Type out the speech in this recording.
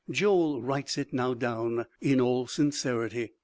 Joel writes it now down in all sincerity.